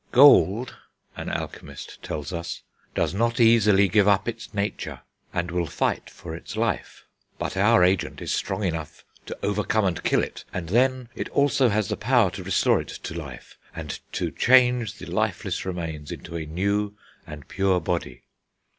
"Gold," an alchemist tells us, "does not easily give up its nature, and will fight for its life; but our agent is strong enough to overcome and kill it, and then it also has the power to restore it to life, and to change the lifeless remains into a new and pure body."